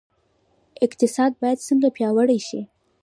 اقتصاد باید څنګه پیاوړی شي؟